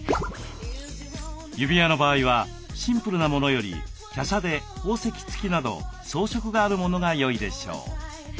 指輪の場合はシンプルなものより華奢で宝石付きなど装飾があるものがよいでしょう。